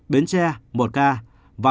biến tre một ca